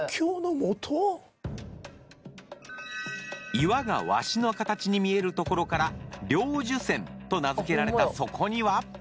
岩が鷲の形に見えるところから。と名付けられたそこには？